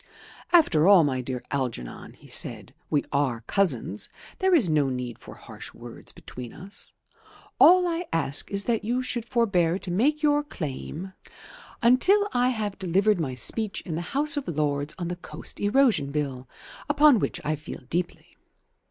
"After all, my dear Algernon," he said, "we are cousins. There is no need for harsh words between us. All I ask is that you should forbear to make your claim until I have delivered my speech in the House of Lords on the Coast Erosion Bill, upon which I feel deeply.